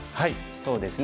そうですね